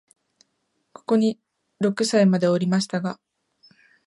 ここに六歳までおりましたが、